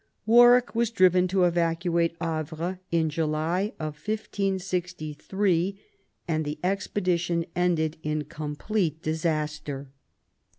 Warwick was driven to evacuate Havre in July, 1563, and the expedition ended in complete disaster.